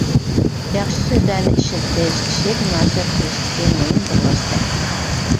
ياخشى سۆزلەرنى ئىشلىتىش كىشىلىك مۇناسىۋەت قىلىشتىكى مۇھىم بىر ۋاسىتە.